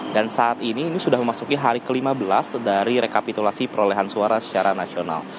dan saat ini ini sudah memasuki hari ke lima belas dari rekapitulasi perolehan suara secara nasional